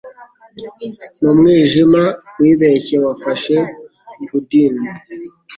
Mumwijima wibeshye wafashe good'un.